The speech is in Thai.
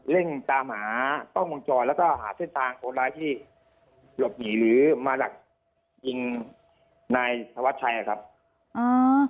เล่งตามหาป้องกังจ่อแล้วก็หาเส้นทางโทรลายที่หลบหินหรือมาหลักยิงนายสวัสดิ์ชัยครับอ่า